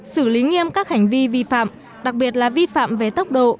xử lý nghiêm các hành vi vi phạm đặc biệt là vi phạm về tốc độ